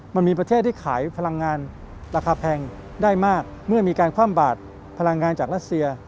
ประเทศที่ขายพลังงานราคาแพงได้มากเมื่อมีการคว่ำบาดพลังงานจากรัสเซีย